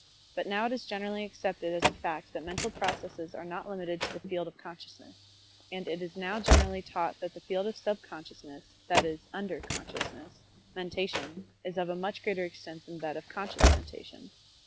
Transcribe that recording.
But now it is generally accepted as a fact that mental processes are not limited to the field of consciousness, and it is now generally taught that the field of sub consciousness (that is, "under" conscious) mentation, is of a much greater extent than that of conscious mentation.